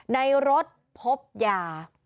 ในรถพบยา